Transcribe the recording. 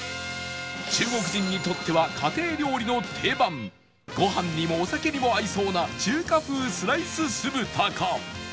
中国人にとっては家庭料理の定番ご飯にもお酒にも合いそうな中華風スライス酢豚か